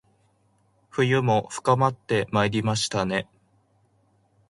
冬も深まってまいりましたね